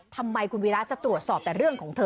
ทำไมคุณวีระจะตรวจสอบแต่เรื่องของเธอ